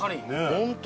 本当！